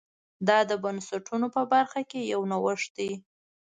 دا د بنسټونو په برخه کې یو نوښت دی